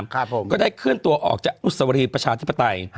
ก็ได้ขึ้นตัวออกจากอุตสวรีประชาธิปไตย